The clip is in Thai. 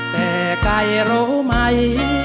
แต่ใครรู้ไหม